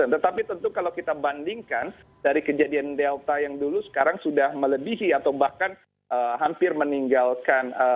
tetapi tentu kalau kita bandingkan dari kejadian delta yang dulu sekarang sudah melebihi atau bahkan hampir meninggalkan